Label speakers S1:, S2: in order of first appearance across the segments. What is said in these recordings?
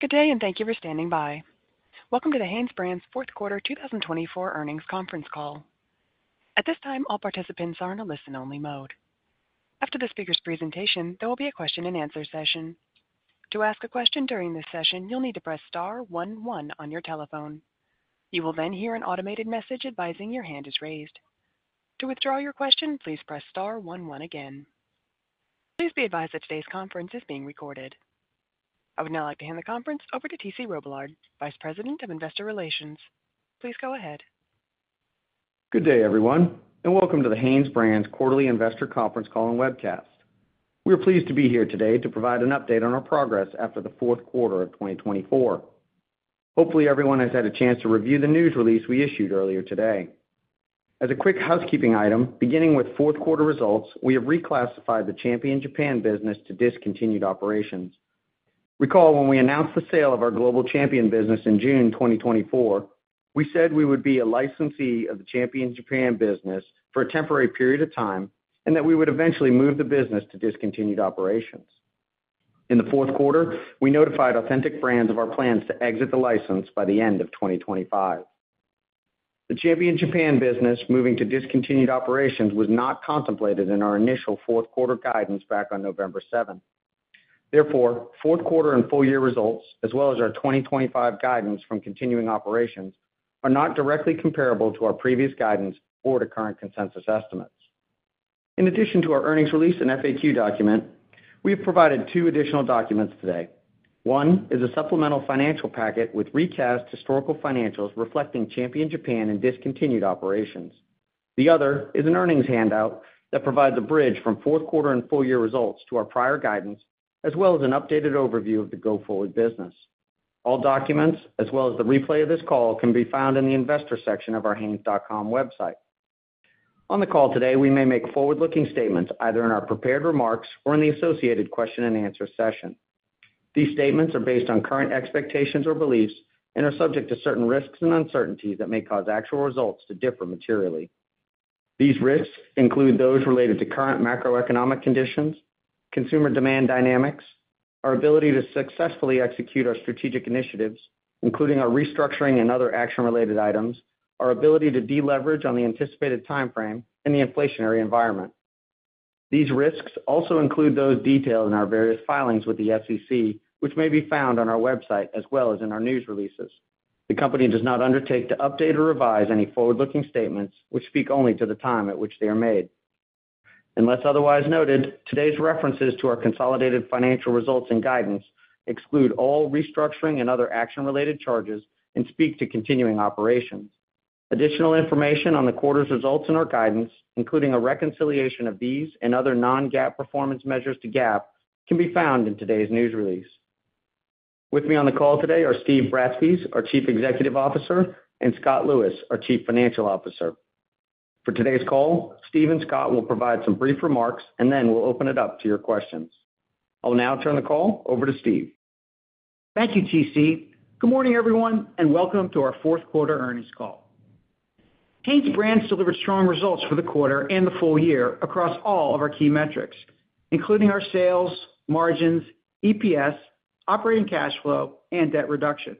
S1: Good day, and thank you for standing by. Welcome to the HanesBrands fourth quarter 2024 earnings conference call. At this time, all participants are in a listen-only mode. After the speaker's presentation, there will be a question-and-answer session. To ask a question during this session, you'll need to press star 11 on your telephone. You will then hear an automated message advising your hand is raised. To withdraw your question, please press star 11 again. Please be advised that today's conference is being recorded. I would now like to hand the conference over to T.C. Robillard, Vice President of Investor Relations. Please go ahead.
S2: Good day, everyone, and welcome to the HanesBrands Quarterly Investor Conference Call and Webcast. We're pleased to be here today to provide an update on our progress after the fourth quarter of 2024. Hopefully, everyone has had a chance to review the news release we issued earlier today. As a quick housekeeping item, beginning with fourth quarter results, we have reclassified the Champion Japan business to discontinued operations. Recall when we announced the sale of our global Champion business in June 2024, we said we would be a licensee of the Champion Japan business for a temporary period of time and that we would eventually move the business to discontinued operations. In the fourth quarter, we notified Authentic Brands of our plans to exit the license by the end of 2025. The Champion Japan business moving to discontinued operations was not contemplated in our initial fourth quarter guidance back on November 7th. Therefore, fourth quarter and full year results, as well as our 2025 guidance from continuing operations, are not directly comparable to our previous guidance or to current consensus estimates. In addition to our earnings release and FAQ document, we have provided two additional documents today. One is a supplemental financial packet with recast historical financials reflecting Champion Japan and discontinued operations. The other is an earnings handout that provides a bridge from fourth quarter and full year results to our prior guidance, as well as an updated overview of the go-forward business. All documents, as well as the replay of this call, can be found in the investor section of our hanes.com website. On the call today, we may make forward-looking statements either in our prepared remarks or in the associated question-and-answer session. These statements are based on current expectations or beliefs and are subject to certain risks and uncertainties that may cause actual results to differ materially. These risks include those related to current macroeconomic conditions, consumer demand dynamics, our ability to successfully execute our strategic initiatives, including our restructuring and other action-related items, our ability to deleverage on the anticipated timeframe, and the inflationary environment. These risks also include those detailed in our various filings with the SEC, which may be found on our website as well as in our news releases. The company does not undertake to update or revise any forward-looking statements which speak only to the time at which they are made. Unless otherwise noted, today's references to our consolidated financial results and guidance exclude all restructuring and other action-related charges and speak to continuing operations. Additional information on the quarter's results and our guidance, including a reconciliation of these and other non-GAAP performance measures to GAAP, can be found in today's news release. With me on the call today are Steve Bratspies, our Chief Executive Officer, and Scott Lewis, our Chief Financial Officer. For today's call, Steve and Scott will provide some brief remarks and then we'll open it up to your questions. I'll now turn the call over to Steve.
S3: Thank you, T.C. Good morning, everyone, and welcome to our fourth quarter earnings call. HanesBrands delivered strong results for the quarter and the full year across all of our key metrics, including our sales, margins, EPS, operating cash flow, and debt reduction.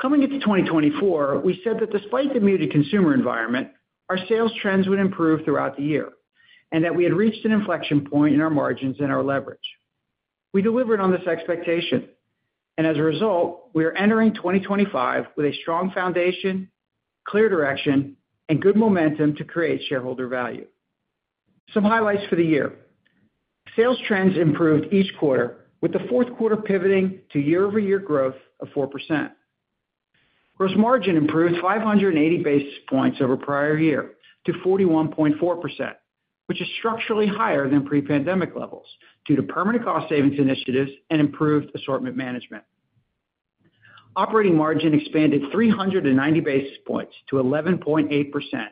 S3: Coming into 2024, we said that despite the muted consumer environment, our sales trends would improve throughout the year and that we had reached an inflection point in our margins and our leverage. We delivered on this expectation, and as a result, we are entering 2025 with a strong foundation, clear direction, and good momentum to create shareholder value. Some highlights for the year: sales trends improved each quarter, with the fourth quarter pivoting to year-over-year growth of 4%. Gross margin improved 580 basis points over prior year to 41.4%, which is structurally higher than pre-pandemic levels due to permanent cost savings initiatives and improved assortment management. Operating margin expanded 390 basis points to 11.8%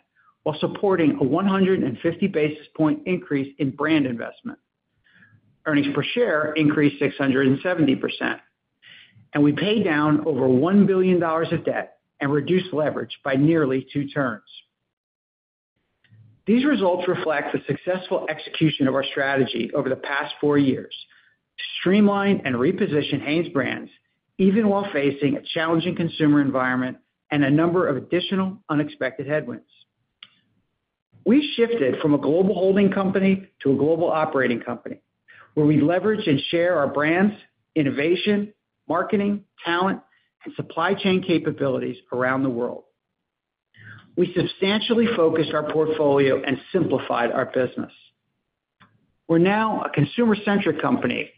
S3: while supporting a 150 basis point increase in brand investment. Earnings per share increased 670%, and we paid down over $1 billion of debt and reduced leverage by nearly two turns. These results reflect the successful execution of our strategy over the past four years to streamline and reposition HanesBrands, even while facing a challenging consumer environment and a number of additional unexpected headwinds. We shifted from a global holding company to a global operating company, where we leverage and share our brands, innovation, marketing, talent, and supply chain capabilities around the world. We substantially focused our portfolio and simplified our business. We're now a consumer-centric company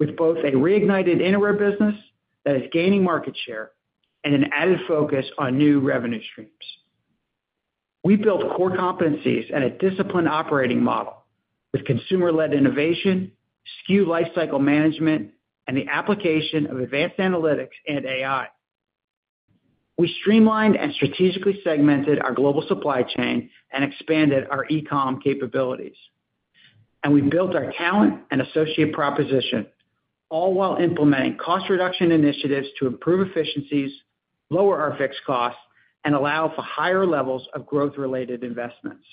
S3: with both a reignited innerwear business that is gaining market share and an added focus on new revenue streams. We built core competencies and a disciplined operating model with consumer-led innovation, SKU lifecycle management, and the application of advanced analytics and AI. We streamlined and strategically segmented our global supply chain and expanded our e-comm capabilities, and we built our talent and associate proposition, all while implementing cost reduction initiatives to improve efficiencies, lower our fixed costs, and allow for higher levels of growth-related investments.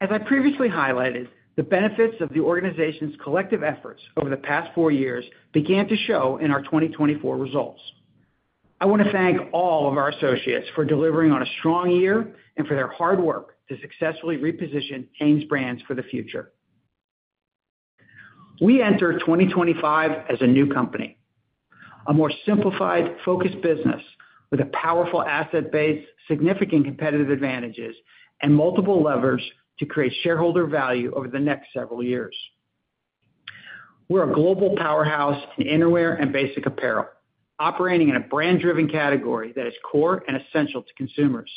S3: As I previously highlighted, the benefits of the organization's collective efforts over the past four years began to show in our 2024 results. I want to thank all of our associates for delivering on a strong year and for their hard work to successfully reposition HanesBrands for the future. We enter 2025 as a new company, a more simplified, focused business with a powerful asset base, significant competitive advantages, and multiple levers to create shareholder value over the next several years. We're a global powerhouse in innerwear and basic apparel, operating in a brand-driven category that is core and essential to consumers.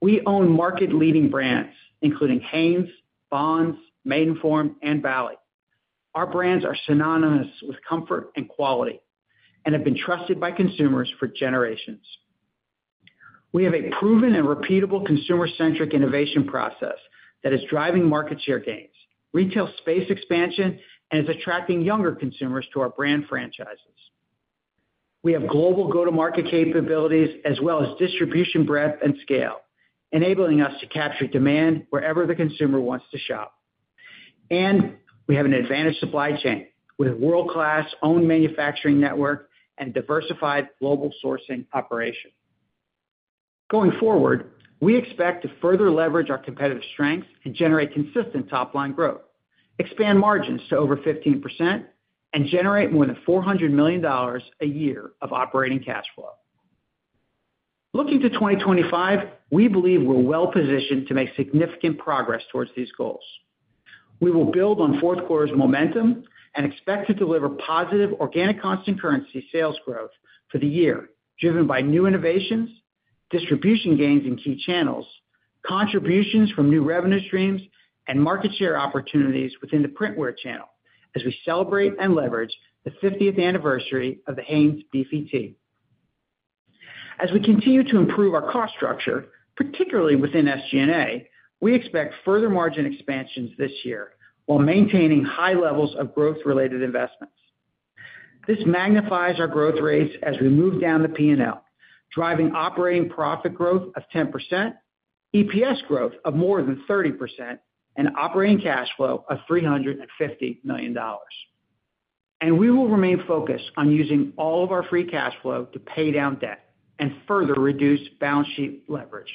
S3: We own market-leading brands, including Hanes, Bonds, Maidenform, and Bali. Our brands are synonymous with comfort and quality and have been trusted by consumers for generations. We have a proven and repeatable consumer-centric innovation process that is driving market share gains, retail space expansion, and is attracting younger consumers to our brand franchises. We have global go-to-market capabilities as well as distribution breadth and scale, enabling us to capture demand wherever the consumer wants to shop, and we have an advanced supply chain with a world-class owned manufacturing network and diversified global sourcing operation. Going forward, we expect to further leverage our competitive strengths and generate consistent top-line growth, expand margins to over 15%, and generate more than $400 million a year of operating cash flow. Looking to 2025, we believe we're well-positioned to make significant progress towards these goals. We will build on fourth quarter's momentum and expect to deliver positive organic constant currency sales growth for the year, driven by new innovations, distribution gains in key channels, contributions from new revenue streams, and market share opportunities within the printwear channel as we celebrate and leverage the 50th anniversary of the Hanes Beefy-T. As we continue to improve our cost structure, particularly within SG&A, we expect further margin expansions this year while maintaining high levels of growth-related investments. This magnifies our growth rates as we move down the P&L, driving operating profit growth of 10%, EPS growth of more than 30%, and operating cash flow of $350 million. We will remain focused on using all of our free cash flow to pay down debt and further reduce balance sheet leverage.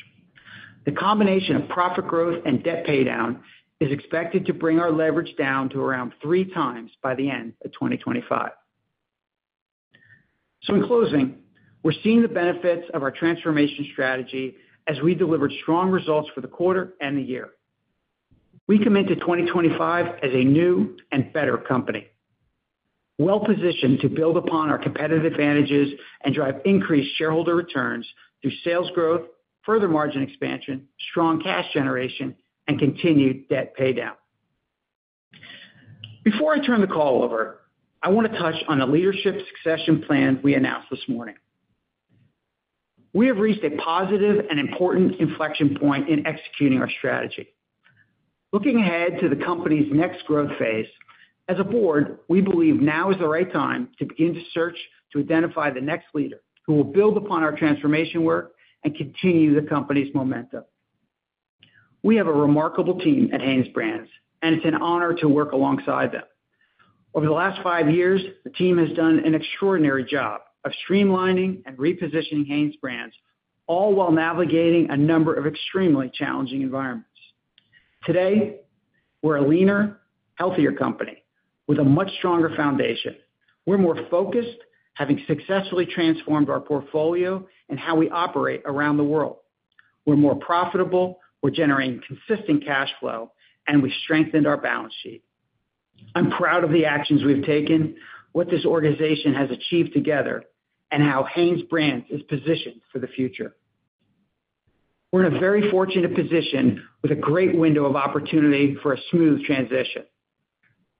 S3: The combination of profit growth and debt paydown is expected to bring our leverage down to around three times by the end of 2025. So in closing, we're seeing the benefits of our transformation strategy as we delivered strong results for the quarter and the year. We commit to 2025 as a new and better company, well-positioned to build upon our competitive advantages and drive increased shareholder returns through sales growth, further margin expansion, strong cash generation, and continued debt paydown. Before I turn the call over, I want to touch on the leadership succession plan we announced this morning. We have reached a positive and important inflection point in executing our strategy. Looking ahead to the company's next growth phase, as a board, we believe now is the right time to begin to search to identify the next leader who will build upon our transformation work and continue the company's momentum. We have a remarkable team at HanesBrands, and it's an honor to work alongside them. Over the last five years, the team has done an extraordinary job of streamlining and repositioning HanesBrands, all while navigating a number of extremely challenging environments. Today, we're a leaner, healthier company with a much stronger foundation. We're more focused, having successfully transformed our portfolio and how we operate around the world. We're more profitable. We're generating consistent cash flow, and we've strengthened our balance sheet. I'm proud of the actions we've taken, what this organization has achieved together, and how HanesBrands is positioned for the future. We're in a very fortunate position with a great window of opportunity for a smooth transition.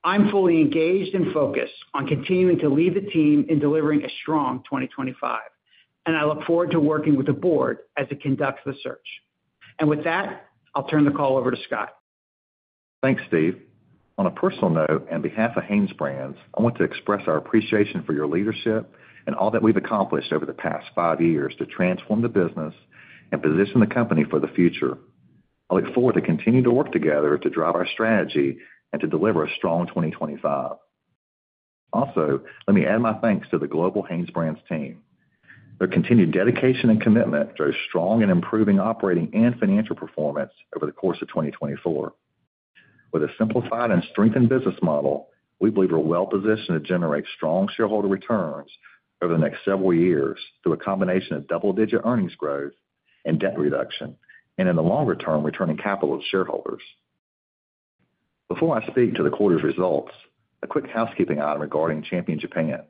S3: I'm fully engaged and focused on continuing to lead the team in delivering a strong 2025, and I look forward to working with the board as it conducts the search. And with that, I'll turn the call over to Scott.
S4: Thanks, Steve. On a personal note, on behalf of HanesBrands, I want to express our appreciation for your leadership and all that we've accomplished over the past five years to transform the business and position the company for the future. I look forward to continuing to work together to drive our strategy and to deliver a strong 2025. Also, let me add my thanks to the global HanesBrands team. Their continued dedication and commitment drove strong and improving operating and financial performance over the course of 2024. With a simplified and strengthened business model, we believe we're well-positioned to generate strong shareholder returns over the next several years through a combination of double-digit earnings growth and debt reduction, and in the longer term, returning capital to shareholders. Before I speak to the quarter's results, a quick housekeeping item regarding Champion Japan.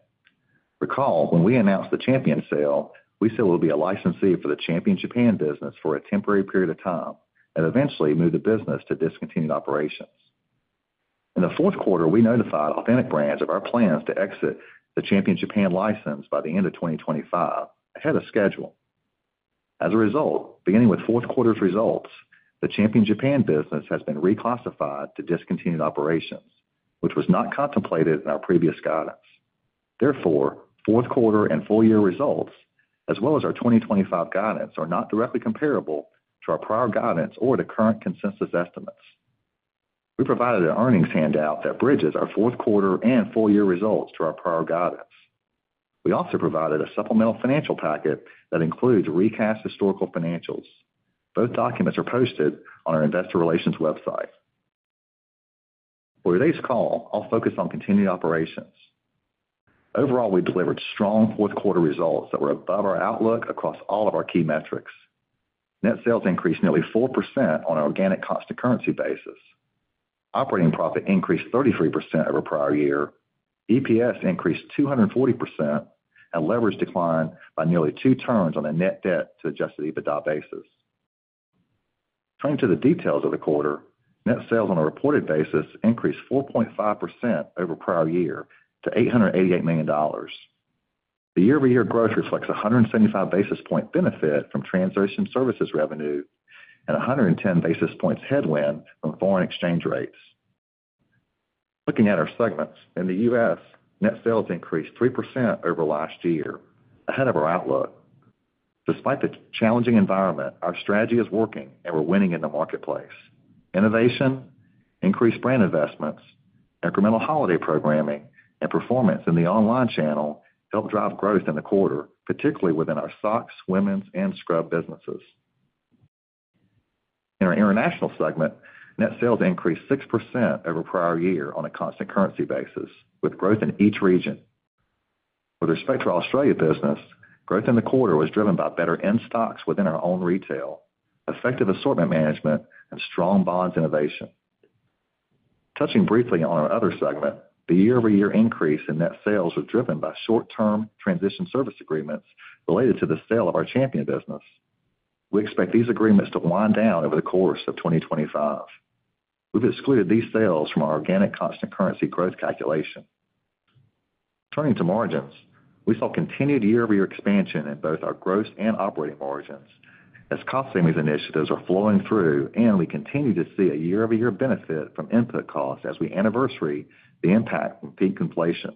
S4: Recall when we announced the Champion sale, we said we would be a licensee for the Champion Japan business for a temporary period of time and eventually moved the business to discontinued operations. In the fourth quarter, we notified Authentic Brands of our plans to exit the Champion Japan license by the end of 2025 ahead of schedule. As a result, beginning with fourth quarter's results, the Champion Japan business has been reclassified to discontinued operations, which was not contemplated in our previous guidance. Therefore, fourth quarter and full-year results, as well as our 2025 guidance, are not directly comparable to our prior guidance or the current consensus estimates. We provided an earnings handout that bridges our fourth quarter and full-year results to our prior guidance. We also provided a supplemental financial packet that includes recast historical financials. Both documents are posted on our investor relations website. For today's call, I'll focus on continued operations. Overall, we delivered strong fourth quarter results that were above our outlook across all of our key metrics. Net sales increased nearly 4% on an organic constant currency basis. Operating profit increased 33% over prior year. EPS increased 240% and leverage declined by nearly two turns on the net debt to adjusted EBITDA basis. Turning to the details of the quarter, net sales on a reported basis increased 4.5% over prior year to $888 million. The year-over-year growth reflects a 175 basis point benefit from transition services revenue and 110 basis points headwind from foreign exchange rates. Looking at our segments in the U.S., net sales increased 3% over last year ahead of our outlook. Despite the challenging environment, our strategy is working, and we're winning in the marketplace. Innovation, increased brand investments, incremental holiday programming, and performance in the online channel helped drive growth in the quarter, particularly within our socks, women's, and scrub businesses. In our international segment, net sales increased 6% over prior year on a constant currency basis, with growth in each region. With respect to our Australia business, growth in the quarter was driven by better in-stocks within our own retail, effective assortment management, and strong Bonds innovation. Touching briefly on our other segment, the year-over-year increase in net sales was driven by short-term transition services agreements related to the sale of our Champion business. We expect these agreements to wind down over the course of 2025. We've excluded these sales from our organic constant currency growth calculation. Turning to margins, we saw continued year-over-year expansion in both our gross and operating margins as cost savings initiatives are flowing through, and we continue to see a year-over-year benefit from input costs as we anniversary the impact from peak inflation.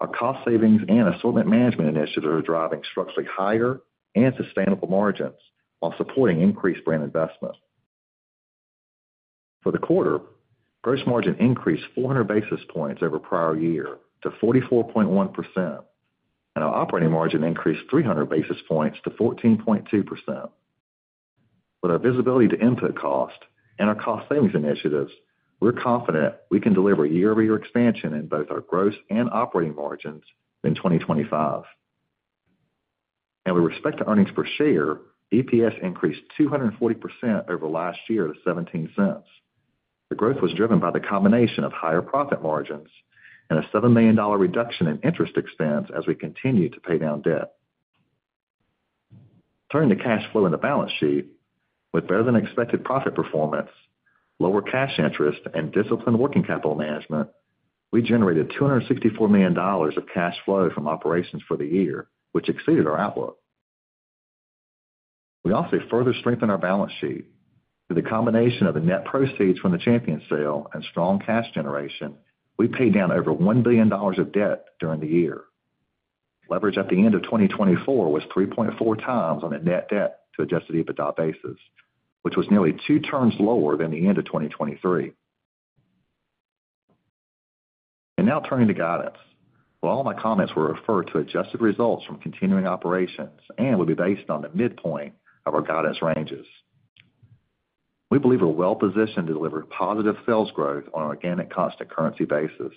S4: Our cost savings and assortment management initiatives are driving structurally higher and sustainable margins while supporting increased brand investment. For the quarter, gross margin increased 400 basis points over prior year to 44.1%, and our operating margin increased 300 basis points to 14.2%. With our visibility to input costs and our cost savings initiatives, we're confident we can deliver year-over-year expansion in both our gross and operating margins in 2025. And with respect to earnings per share, EPS increased 240% over last year to $0.17. The growth was driven by the combination of higher profit margins and a $7 million reduction in interest expense as we continued to pay down debt. Turning to cash flow and the balance sheet, with better-than-expected profit performance, lower cash interest, and disciplined working capital management, we generated $264 million of cash flow from operations for the year, which exceeded our outlook. We also further strengthened our balance sheet. With the combination of the net proceeds from the Champion sale and strong cash generation, we paid down over $1 billion of debt during the year. Leverage at the end of 2024 was 3.4x on the net debt to Adjusted EBITDA basis, which was nearly two turns lower than the end of 2023. And now turning to guidance, while all my comments will refer to adjusted results from continuing operations and will be based on the midpoint of our guidance ranges, we believe we're well-positioned to deliver positive sales growth on an organic constant currency basis,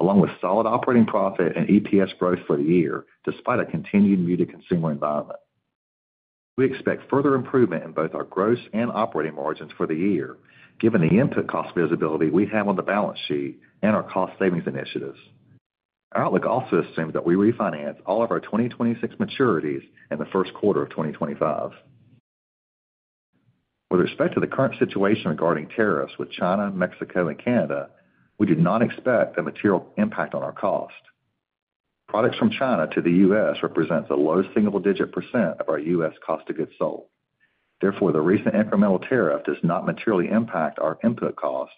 S4: along with solid operating profit and EPS growth for the year despite a continued muted consumer environment. We expect further improvement in both our gross and operating margins for the year, given the input cost visibility we have on the balance sheet and our cost savings initiatives. Our outlook also assumes that we refinance all of our 2026 maturities in the first quarter of 2025. With respect to the current situation regarding tariffs with China, Mexico, and Canada, we do not expect a material impact on our cost. Products from China to the U.S. represent the lowest single-digit % of our U.S. cost of goods sold. Therefore, the recent incremental tariff does not materially impact our input costs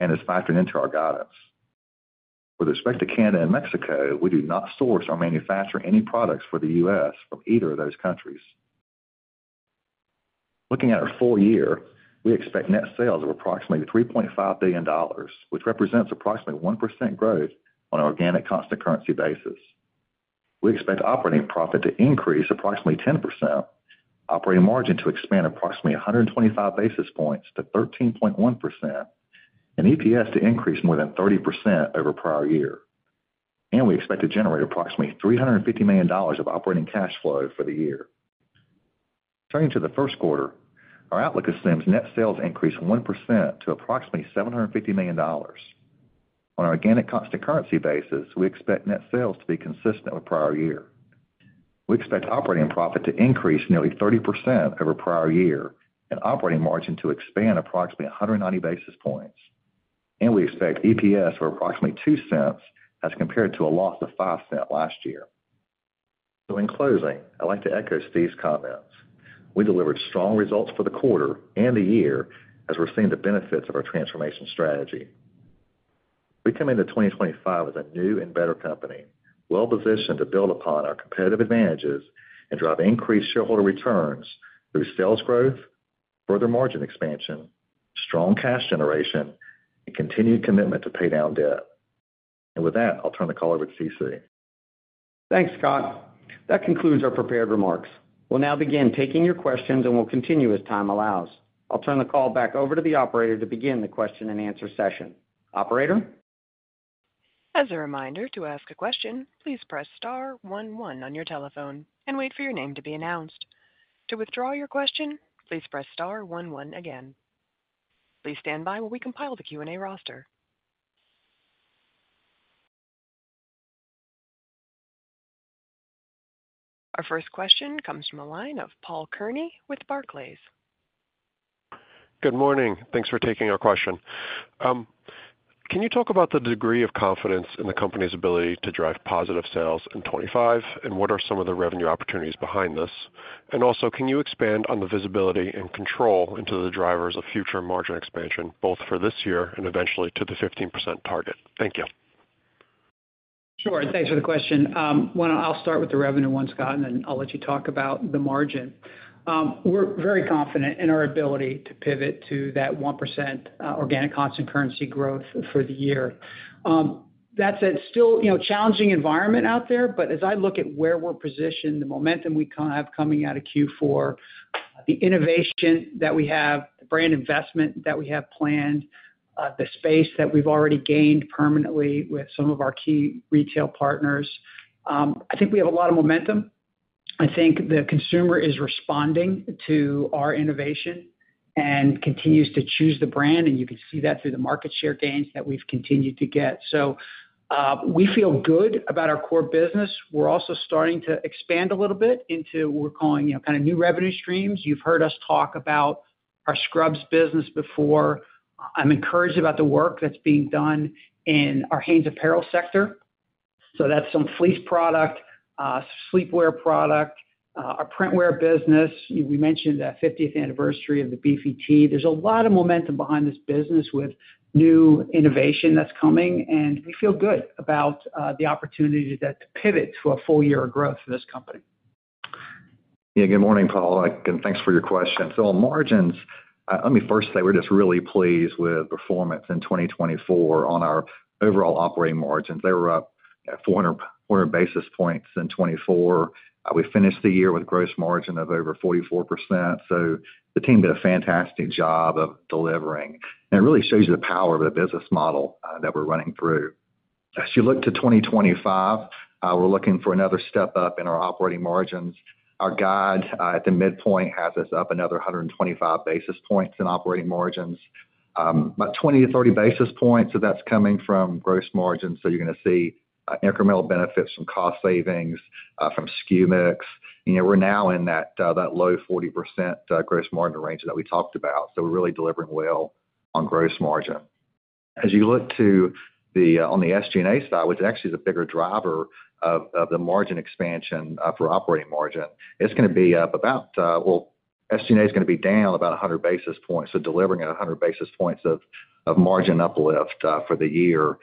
S4: and is factored into our guidance. With respect to Canada and Mexico, we do not source or manufacture any products for the U.S. from either of those countries. Looking at our full year, we expect net sales of approximately $3.5 billion, which represents approximately 1% growth on an organic constant currency basis. We expect operating profit to increase approximately 10%, operating margin to expand approximately 125 basis points to 13.1%, and EPS to increase more than 30% over prior year, and we expect to generate approximately $350 million of operating cash flow for the year. Turning to the first quarter, our outlook assumes net sales increase 1% to approximately $750 million. On an organic constant currency basis, we expect net sales to be consistent with prior year. We expect operating profit to increase nearly 30% over prior year and operating margin to expand approximately 190 basis points. And we expect EPS for approximately $0.02 as compared to a loss of $0.05 last year. So in closing, I'd like to echo Steve's comments. We delivered strong results for the quarter and the year as we're seeing the benefits of our transformation strategy. We come into 2025 as a new and better company, well-positioned to build upon our competitive advantages and drive increased shareholder returns through sales growth, further margin expansion, strong cash generation, and continued commitment to pay down debt. And with that, I'll turn the call over to T.C.
S2: Thanks, Scott. That concludes our prepared remarks. We'll now begin taking your questions, and we'll continue as time allows. I'll turn the call back over to the operator to begin the question-and-answer session. Operator?
S1: As a reminder, to ask a question, please press star one one on your telephone and wait for your name to be announced. To withdraw your question, please press star one one again. Please stand by while we compile the Q&A roster. Our first question comes from a line of Paul Kearney with Barclays.
S5: Good morning. Thanks for taking our question. Can you talk about the degree of confidence in the company's ability to drive positive sales in 2025, and what are some of the revenue opportunities behind this? And also, can you expand on the visibility and control into the drivers of future margin expansion, both for this year and eventually to the 15% target? Thank you.
S3: Sure. Thanks for the question. I'll start with the revenue one, Scott, and then I'll let you talk about the margin. We're very confident in our ability to pivot to that 1% organic constant currency growth for the year. That said, still a challenging environment out there, but as I look at where we're positioned, the momentum we have coming out of Q4, the innovation that we have, the brand investment that we have planned, the space that we've already gained permanently with some of our key retail partners, I think we have a lot of momentum. I think the consumer is responding to our innovation and continues to choose the brand, and you can see that through the market share gains that we've continued to get. So we feel good about our core business. We're also starting to expand a little bit into what we're calling kind of new revenue streams. You've heard us talk about our scrubs business before. I'm encouraged about the work that's being done in our Hanes apparel sector. So that's some fleece product, some sleepwear product, our printwear business. We mentioned the 50th anniversary of the Beefy-T. There's a lot of momentum behind this business with new innovation that's coming, and we feel good about the opportunity to pivot to a full-year growth for this company.
S4: Yeah. Good morning, Paul. And thanks for your question. So on margins, let me first say we're just really pleased with performance in 2024 on our overall operating margins. They were up 400 basis points in 2024. We finished the year with a gross margin of over 44%. So the team did a fantastic job of delivering. And it really shows you the power of the business model that we're running through. As you look to 2025, we're looking for another step up in our operating margins. Our guide at the midpoint has us up another 125 basis points in operating margins, about 20-30 basis points. So that's coming from gross margins. So you're going to see incremental benefits from cost savings, from SKU mix. We're now in that low 40% gross margin range that we talked about. So we're really delivering well on gross margin. As you look to the SG&A side, which actually is a bigger driver of the margin expansion for operating margin, it's going to be up about, well, SG&A is going to be down about 100 basis points, so delivering at 100 basis points of margin uplift for the year.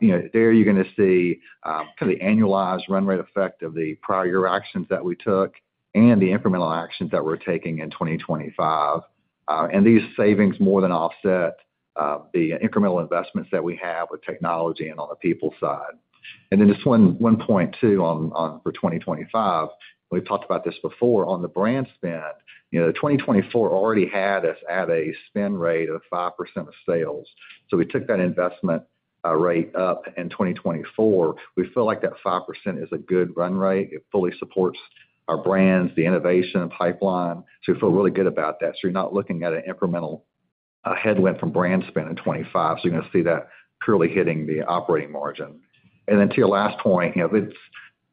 S4: There you're going to see kind of the annualized run rate effect of the prior year actions that we took and the incremental actions that we're taking in 2025, and these savings more than offset the incremental investments that we have with technology and on the people side, and then just one point too for 2025. We've talked about this before on the brand spend. 2024 already had us at a spend rate of 5% of sales, so we took that investment rate up in 2024. We feel like that 5% is a good run rate. It fully supports our brands, the innovation pipeline. So we feel really good about that. So you're not looking at an incremental headwind from brand spend in 2025. So you're going to see that clearly hitting the operating margin. And then to your last point,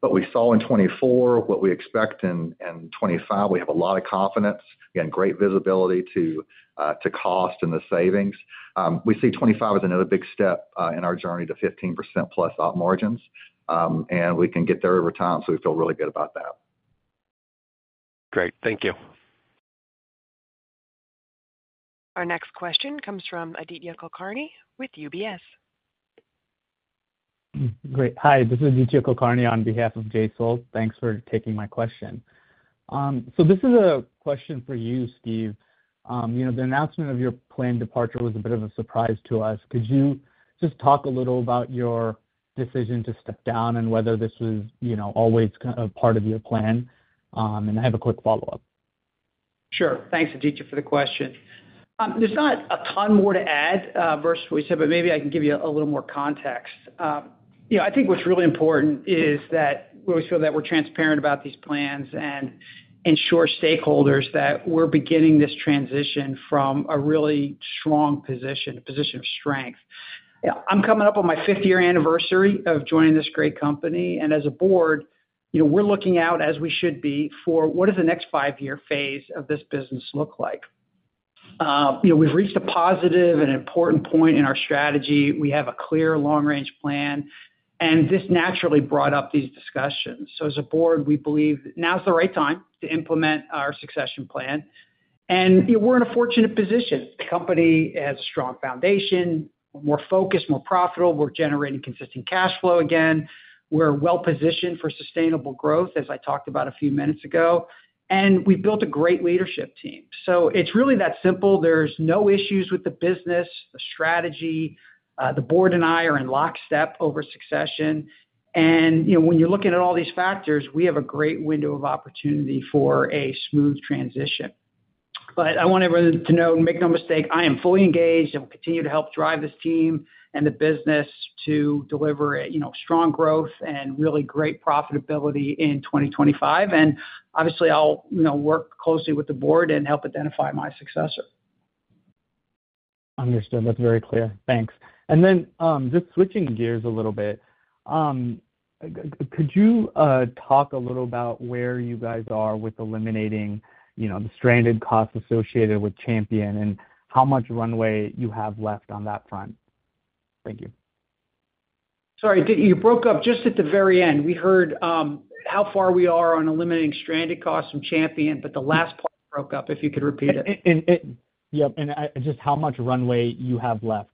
S4: what we saw in 2024, what we expect in 2025, we have a lot of confidence and great visibility to cost and the savings. We see 2025 as another big step in our journey to 15% plus op margins. And we can get there over time. So we feel really good about that.
S5: Great. Thank you.
S1: Our next question comes from Aditya Kulkarni with UBS.
S6: Great. Hi. This is Aditya Kulkarni on behalf of Jay Sole. Thanks for taking my question. So this is a question for you, Steve. The announcement of your planned departure was a bit of a surprise to us. Could you just talk a little about your decision to step down and whether this was always a part of your plan? And I have a quick follow-up.
S3: Sure. Thanks, Aditya, for the question. There's not a ton more to add versus what you said, but maybe I can give you a little more context. I think what's really important is that we feel that we're transparent about these plans and ensure stakeholders that we're beginning this transition from a really strong position, a position of strength. I'm coming up on my 50-year anniversary of joining this great company. And as a board, we're looking out as we should be for what does the next five-year phase of this business look like? We've reached a positive and important point in our strategy. We have a clear long-range plan. And this naturally brought up these discussions. So as a board, we believe now's the right time to implement our succession plan. And we're in a fortunate position. The company has a strong foundation. We're more focused, more profitable. We're generating consistent cash flow again. We're well-positioned for sustainable growth, as I talked about a few minutes ago. And we've built a great leadership team. So it's really that simple. There's no issues with the business, the strategy. The board and I are in lockstep over succession. And when you're looking at all these factors, we have a great window of opportunity for a smooth transition. But I want everyone to know, make no mistake, I am fully engaged and will continue to help drive this team and the business to deliver strong growth and really great profitability in 2025. And obviously, I'll work closely with the board and help identify my successor.
S6: Understood. That's very clear. Thanks, and then just switching gears a little bit, could you talk a little about where you guys are with eliminating the stranded costs associated with Champion and how much runway you have left on that front? Thank you.
S3: Sorry, you broke up just at the very end. We heard how far we are on eliminating stranded costs from Champion, but the last part broke up. If you could repeat it.
S6: Yep. And just how much runway you have left.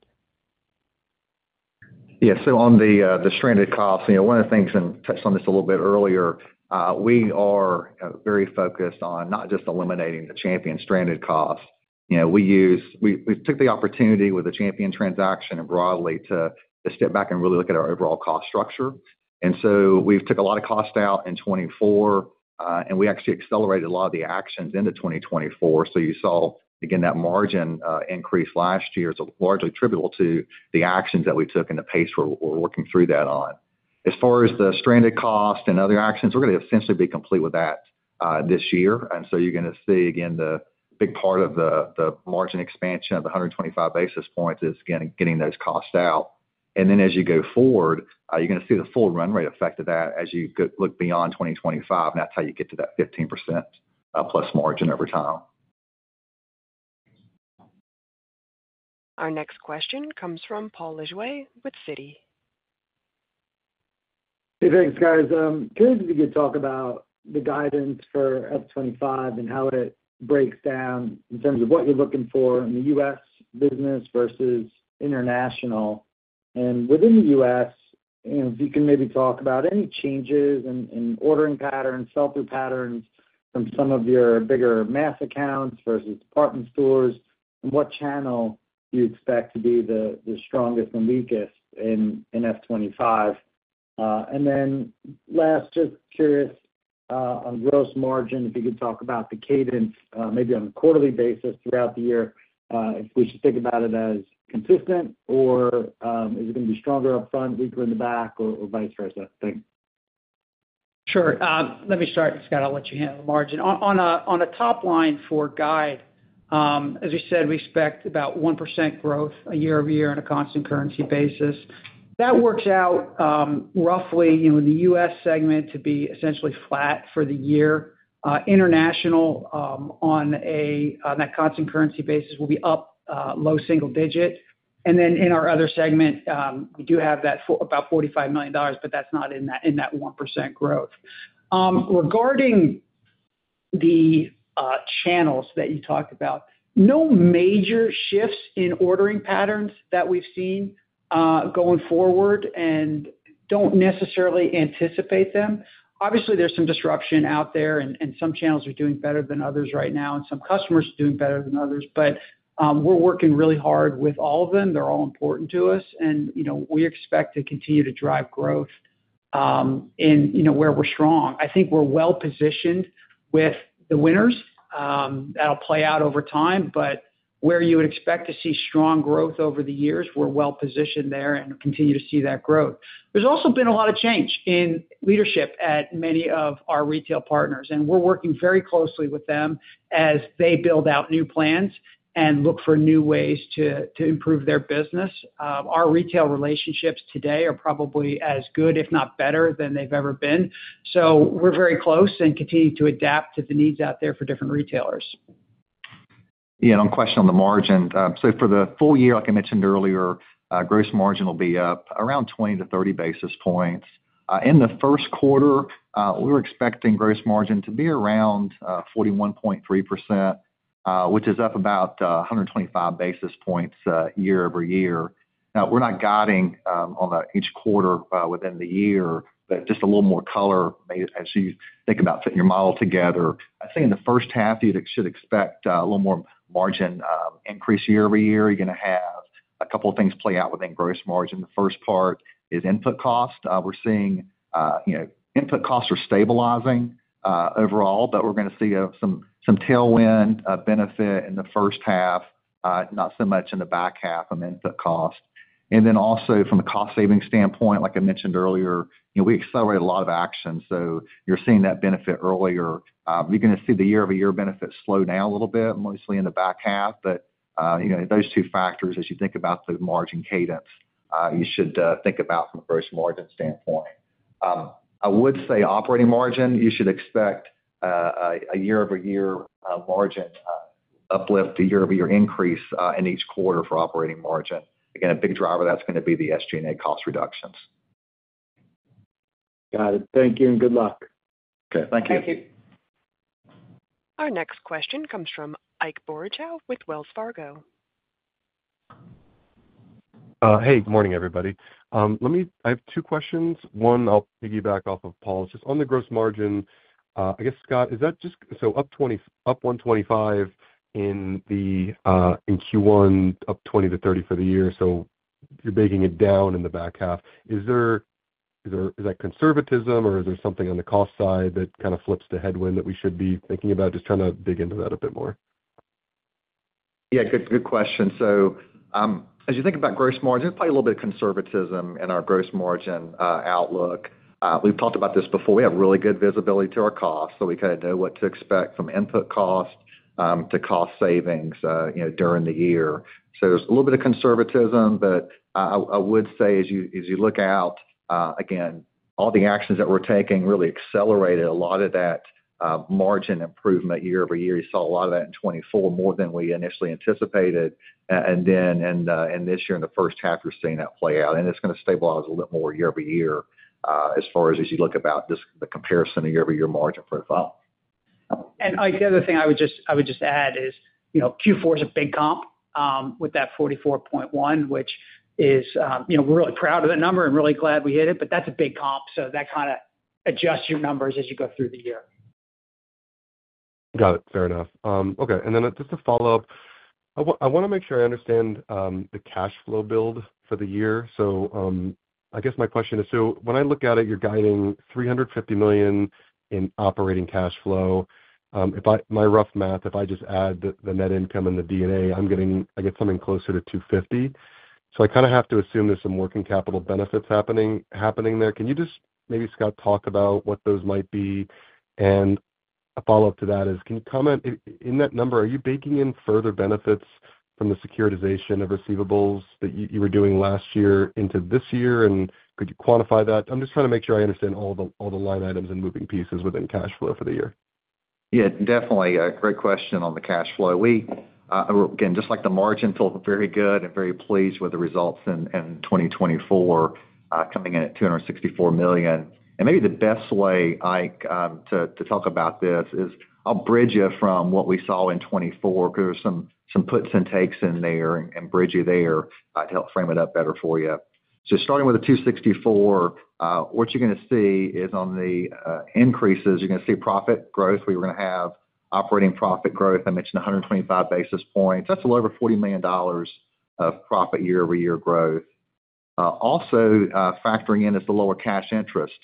S4: Yeah. So on the stranded costs, one of the things I touched on this a little bit earlier, we are very focused on not just eliminating the Champion stranded costs. We took the opportunity with the Champion transaction and broadly to step back and really look at our overall cost structure. And so we've took a lot of cost out in 2024, and we actually accelerated a lot of the actions into 2024. So you saw, again, that margin increase last year is largely trivial to the actions that we took and the pace we're working through that on. As far as the stranded cost and other actions, we're going to essentially be complete with that this year. And so you're going to see, again, the big part of the margin expansion of the 125 basis points is getting those costs out. Then as you go forward, you're going to see the full run rate effect of that as you look beyond 2025. That's how you get to that 15%+ margin over time.
S1: Our next question comes from Paul Lejuez with Citi.
S7: Hey, thanks, guys. Curious if you could talk about the guidance for F25 and how it breaks down in terms of what you're looking for in the U.S. business versus international. And within the U.S., if you can maybe talk about any changes in ordering patterns, sell-through patterns from some of your bigger mass accounts versus department stores, and what channel you expect to be the strongest and weakest in F25. And then last, just curious on gross margin, if you could talk about the cadence, maybe on a quarterly basis throughout the year, if we should think about it as consistent, or is it going to be stronger upfront, weaker in the back, or vice versa? Thanks.
S3: Sure. Let me start. Scott, I'll let you handle the margin. On a top line for guide, as we said, we expect about 1% growth year over year on a constant currency basis. That works out roughly in the U.S. segment to be essentially flat for the year. International, on that constant currency basis, will be up low single digit, and then in our other segment, we do have that about $45 million, but that's not in that 1% growth. Regarding the channels that you talked about, no major shifts in ordering patterns that we've seen going forward and don't necessarily anticipate them. Obviously, there's some disruption out there, and some channels are doing better than others right now, and some customers are doing better than others, but we're working really hard with all of them. They're all important to us. And we expect to continue to drive growth in where we're strong. I think we're well-positioned with the winners. That'll play out over time. But where you would expect to see strong growth over the years, we're well-positioned there and continue to see that growth. There's also been a lot of change in leadership at many of our retail partners. And we're working very closely with them as they build out new plans and look for new ways to improve their business. Our retail relationships today are probably as good, if not better, than they've ever been. So we're very close and continue to adapt to the needs out there for different retailers.
S4: Yeah. One question on the margin. So for the full year, like I mentioned earlier, gross margin will be up around 20 to 30 basis points. In the first quarter, we were expecting gross margin to be around 41.3%, which is up about 125 basis points year over year. Now, we're not guiding on each quarter within the year, but just a little more color as you think about putting your model together. I think in the first half, you should expect a little more margin increase year over year. You're going to have a couple of things play out within gross margin. The first part is input cost. We're seeing input costs are stabilizing overall, but we're going to see some tailwind benefit in the first half, not so much in the back half on input cost. And then also from a cost-saving standpoint, like I mentioned earlier, we accelerated a lot of actions. So you're seeing that benefit earlier. You're going to see the year-over-year benefit slow down a little bit, mostly in the back half. But those two factors, as you think about the margin cadence, you should think about from a gross margin standpoint. I would say operating margin, you should expect a year-over-year margin uplift, a year-over-year increase in each quarter for operating margin. Again, a big driver of that's going to be the SG&A cost reductions.
S7: Got it. Thank you and good luck.
S4: Okay. Thank you.
S3: Thank you.
S1: Our next question comes from Ike Boruchow with Wells Fargo.
S8: Hey, good morning, everybody. I have two questions. One, I'll piggyback off of Paul. Just on the gross margin, I guess, Scott, is that just so up 125 in Q1, up 20-30 for the year. So you're baking it down in the back half. Is that conservatism, or is there something on the cost side that kind of flips the headwind that we should be thinking about? Just trying to dig into that a bit more.
S4: Yeah. Good question. So as you think about gross margin, there's probably a little bit of conservatism in our gross margin outlook. We've talked about this before. We have really good visibility to our costs. So we kind of know what to expect from input cost to cost savings during the year. So there's a little bit of conservatism. But I would say, as you look out, again, all the actions that we're taking really accelerated a lot of that margin improvement year over year. You saw a lot of that in 2024, more than we initially anticipated. And then in this year, in the first half, you're seeing that play out. And it's going to stabilize a little bit more year over year as far as you look about the comparison of year-over-year margin profile.
S3: And the other thing I would just add is Q4 is a big comp with that 44.1, which is we're really proud of that number and really glad we hit it. But that's a big comp. So that kind of adjusts your numbers as you go through the year.
S8: Got it. Fair enough. Okay. And then just to follow up, I want to make sure I understand the cash flow build for the year. So I guess my question is, so when I look at it, you're guiding $350 million in operating cash flow. My rough math, if I just add the net income and the D&A, I get something closer to $250 million. So I kind of have to assume there's some working capital benefits happening there. Can you just maybe, Scott, talk about what those might be? And a follow-up to that is, can you comment in that number, are you baking in further benefits from the securitization of receivables that you were doing last year into this year? And could you quantify that? I'm just trying to make sure I understand all the line items and moving pieces within cash flow for the year.
S4: Yeah. Definitely. Great question on the cash flow. Again, just like the margin feels very good and very pleased with the results in 2024, coming in at $264 million. And maybe the best way, Ike, to talk about this is I'll bridge you from what we saw in 2024 because there were some puts and takes in there and bridge you there to help frame it up better for you. So starting with the 264, what you're going to see is on the increases, you're going to see profit growth. We were going to have operating profit growth. I mentioned 125 basis points. That's a little over $40 million of profit year-over-year growth. Also, factoring in is the lower cash interest.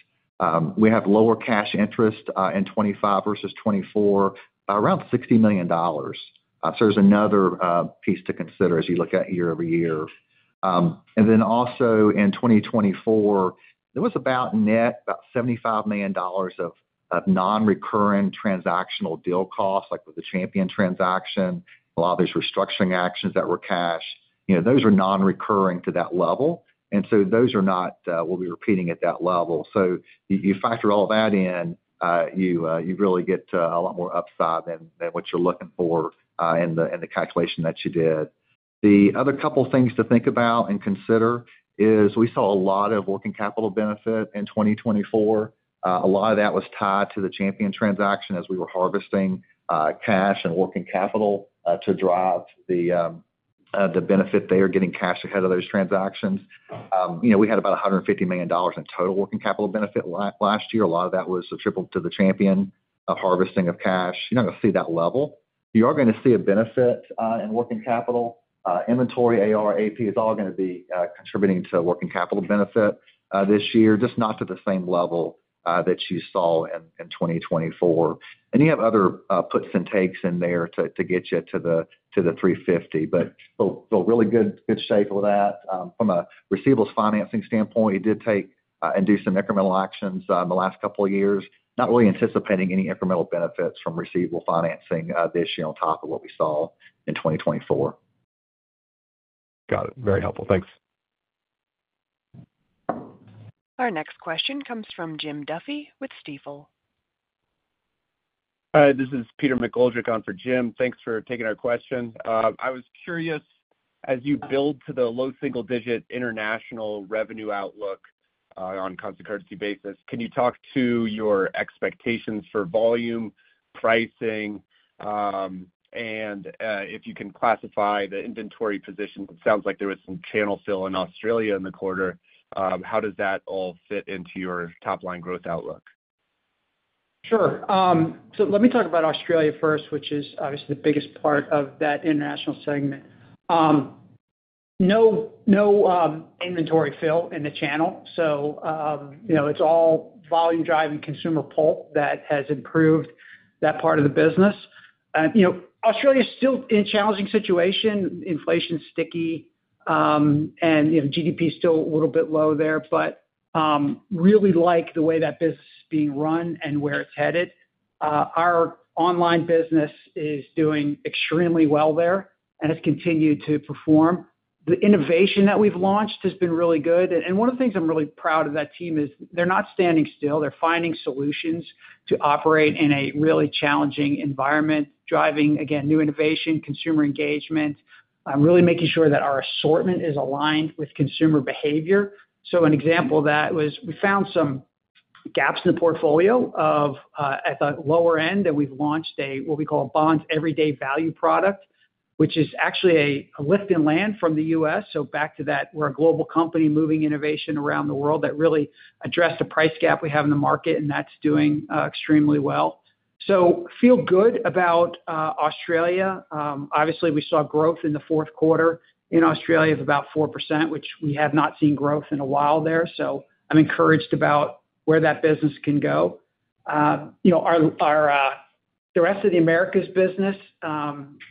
S4: We have lower cash interest in 2025 versus 2024, around $60 million. So there's another piece to consider as you look at year-over-year. And then also in 2024, there was about net, about $75 million of nonrecurrent transactional deal costs, like with the Champion transaction. A lot of these restructuring actions that were cash, those were nonrecurring to that level. And so those are not. We'll be repeating at that level. So you factor all that in, you really get a lot more upside than what you're looking for in the calculation that you did. The other couple of things to think about and consider is we saw a lot of working capital benefit in 2024. A lot of that was tied to the Champion transaction as we were harvesting cash and working capital to drive the benefit. They are getting cash ahead of those transactions. We had about $150 million in total working capital benefit last year. A lot of that was tied to the Champion harvesting of cash. You're not going to see that level. You are going to see a benefit in working capital. Inventory, AR, AP is all going to be contributing to working capital benefit this year, just not to the same level that you saw in 2024. And you have other puts and takes in there to get you to the 350. But still really good shape with that. From a receivables financing standpoint, it did take and do some incremental actions in the last couple of years, not really anticipating any incremental benefits from receivable financing this year on top of what we saw in 2024.
S8: Got it. Very helpful. Thanks.
S1: Our next question comes from Jim Duffy with Stifel.
S9: Hi. This is Peter McGoldrick on for Jim. Thanks for taking our question. I was curious, as you build to the low single-digit international revenue outlook on a constant currency basis, can you talk to your expectations for volume, pricing, and if you can classify the inventory position? It sounds like there was some channel fill in Australia in the quarter. How does that all fit into your top-line growth outlook?
S3: Sure. So let me talk about Australia first, which is obviously the biggest part of that international segment. No inventory fill in the channel. So it's all volume drive and consumer pull that has improved that part of the business. Australia is still in a challenging situation. Inflation's sticky, and GDP's still a little bit low there. But really like the way that business is being run and where it's headed. Our online business is doing extremely well there and has continued to perform. The innovation that we've launched has been really good. And one of the things I'm really proud of that team is they're not standing still. They're finding solutions to operate in a really challenging environment, driving, again, new innovation, consumer engagement, really making sure that our assortment is aligned with consumer behavior. So an example of that was we found some gaps in the portfolio at the lower end, and we've launched what we call a Bonds Everyday value product, which is actually a lift and land from the U.S. So back to that, we're a global company moving innovation around the world that really addressed a price gap we have in the market, and that's doing extremely well. So feel good about Australia. Obviously, we saw growth in the fourth quarter in Australia of about 4%, which we have not seen growth in a while there. So I'm encouraged about where that business can go. The rest of the America's business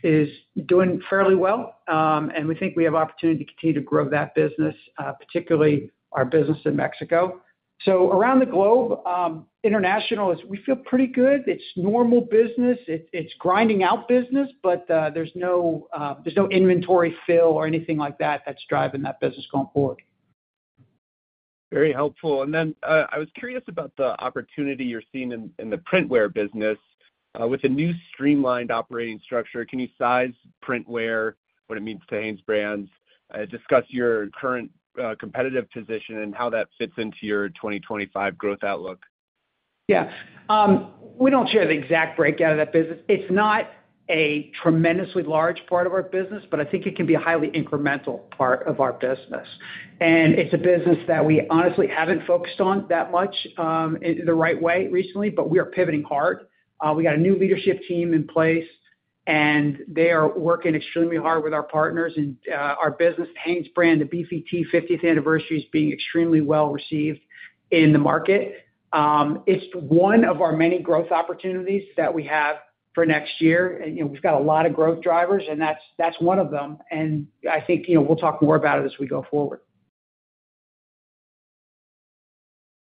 S3: is doing fairly well. And we think we have opportunity to continue to grow that business, particularly our business in Mexico. So around the globe, international, we feel pretty good. It's normal business. It's grinding out business, but there's no inventory fill or anything like that that's driving that business going forward.
S9: Very helpful. And then I was curious about the opportunity you're seeing in the printwear business. With a new streamlined operating structure, can you size printwear, what it means to HanesBrands, discuss your current competitive position and how that fits into your 2025 growth outlook?
S3: Yeah. We don't share the exact breakdown of that business. It's not a tremendously large part of our business, but I think it can be a highly incremental part of our business. And it's a business that we honestly haven't focused on that much in the right way recently, but we are pivoting hard. We got a new leadership team in place, and they are working extremely hard with our partners. And our business, HanesBrands, the Beefy-T 50th anniversary is being extremely well received in the market. It's one of our many growth opportunities that we have for next year. And we've got a lot of growth drivers, and that's one of them. And I think we'll talk more about it as we go forward.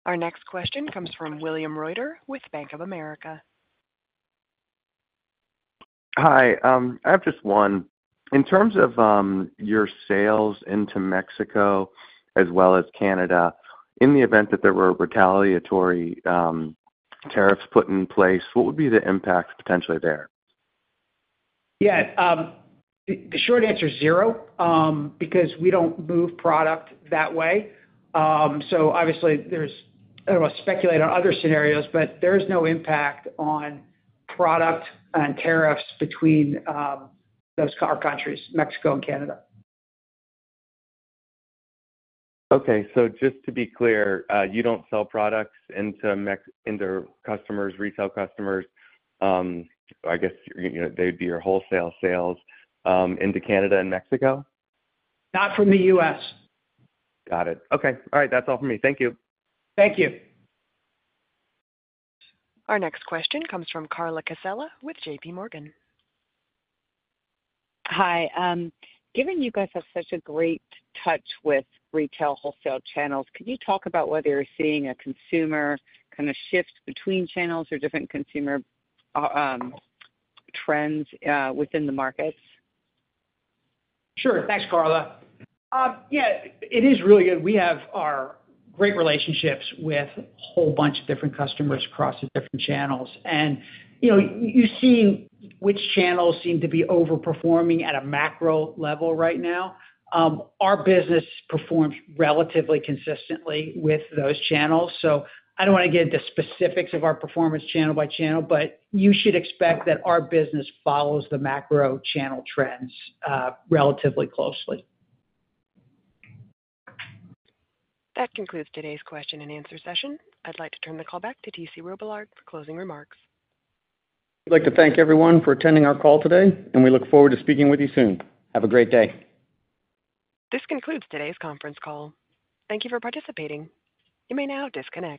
S1: Our next question comes from William Reuter with Bank of America.
S10: Hi. I have just one. In terms of your sales into Mexico as well as Canada, in the event that there were retaliatory tariffs put in place, what would be the impact potentially there?
S3: Yeah. The short answer is zero because we don't move product that way. So obviously, I don't want to speculate on other scenarios, but there is no impact on product and tariffs between our countries, Mexico and Canada.
S10: Okay. So just to be clear, you don't sell products into customers, retail customers. I guess they would be your wholesale sales into Canada and Mexico?
S3: Not from the U.S.
S10: Got it. Okay. All right. That's all for me. Thank you.
S3: Thank you.
S1: Our next question comes from Carla Casella with JPMorgan.
S11: Hi. Given you guys have such a great touch with retail wholesale channels, could you talk about whether you're seeing a consumer kind of shift between channels or different consumer trends within the markets?
S3: Sure. Thanks, Carla. Yeah. It is really good. We have our great relationships with a whole bunch of different customers across the different channels. And you see which channels seem to be overperforming at a macro level right now. Our business performs relatively consistently with those channels. So I don't want to get into specifics of our performance channel by channel, but you should expect that our business follows the macro channel trends relatively closely.
S1: That concludes today's question and answer session. I'd like to turn the call back to T.C. Robillard for closing remarks.
S2: I'd like to thank everyone for attending our call today, and we look forward to speaking with you soon. Have a great day.
S1: This concludes today's conference call. Thank you for participating. You may now disconnect.